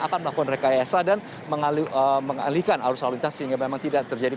akan melakukan rekayasa dan mengalihkan arus lalu lintas sehingga memang tidak terjadi